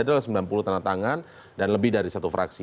itu adalah sembilan puluh tanda tangan dan lebih dari satu fraksi